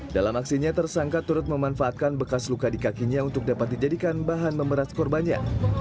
dalam aksinya tersangka turut memanfaatkan bekas luka di kakinya untuk dapat dijadikan bahan memeras korbannya